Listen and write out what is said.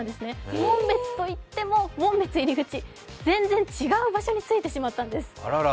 紋別といっても紋別入口、全然違う場所に着いてしまったんです。